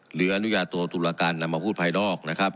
หรืออนุญาโตตุลาการนำมาพูดภายนอกนะครับ